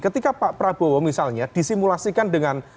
ketika pak prabowo misalnya disimulasikan dengan